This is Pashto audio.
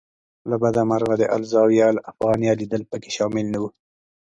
له بده مرغه د الزاویة الافغانیه لیدل په کې شامل نه و.